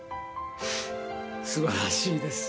素晴らしいです。